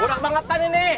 burak banget kan ini